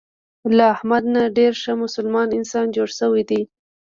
له احمد نه ډېر ښه مسلمان انسان جوړ شوی دی.